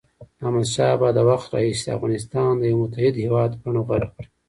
د احمدشاه بابا د وخت راهيسي افغانستان د یوه متحد هېواد بڼه غوره کړه.